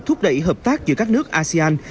thúc đẩy hợp tác giữa các nước asean